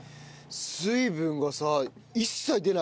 水分がさ一切出ない。